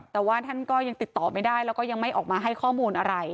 แต่ว่าท่านก็ยังติดต่อไม่ได้แล้วก็ยังไม่ออกมาให้ข้อมูลอะไร